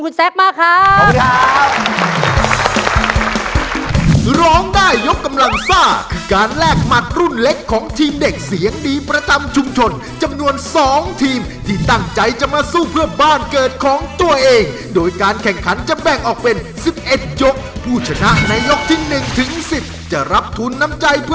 คุณรับตำแหน่งนี้ไปเดี๋ยวนี้เลยครับขอบคุณคุณแซ็กมากครับ